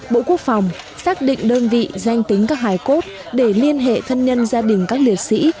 bộ quốc phòng xác định đơn vị danh tính các hải cốt để liên hệ thân nhân gia đình các liệt sĩ